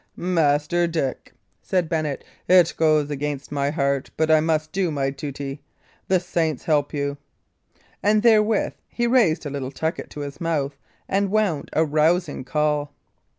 "Master Dick," said Bennet, "it goes against my heart; but I must do my duty. The saints help you!" And therewith he raised a little tucket to his mouth and wound a rousing call.